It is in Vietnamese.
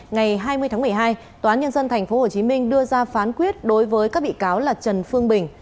ngày hai mươi tháng một mươi hai tòa án nhân dân tp hcm đưa ra phán quyết đối với các bị cáo là trần phương bình